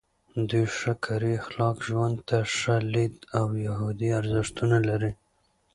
دوی ښه کاري اخلاق، ژوند ته ښه لید او یهودي ارزښتونه لري.